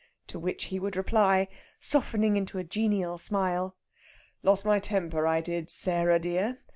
To which he would reply, softening into a genial smile: "Lost my temper, I did, Sarah dear.